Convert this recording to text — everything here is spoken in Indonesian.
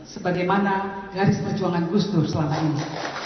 sebagaimana garis perjuangan gus dur selama ini